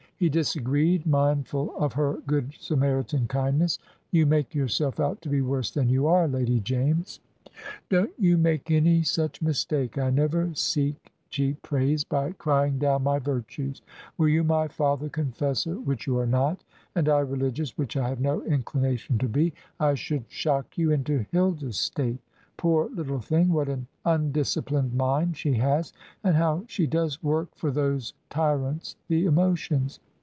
He disagreed, mindful of her Good Samaritan kindness. "You make yourself out to be worse than you are, Lady James." "Don't you make any such mistake. I never seek cheap praise by crying down my virtues. Were you my father confessor which you are not and I religious which I have no inclination to be I should shock you into Hilda's state. Poor little thing, what an undisciplined mind she has, and how she does work for those tyrants the emotions!